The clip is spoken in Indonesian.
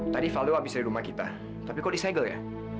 tadi kavaldo abis dari rumah kita tapi kok di segel ya